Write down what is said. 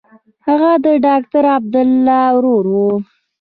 هغه د ډاکټر عبدالله ورور و.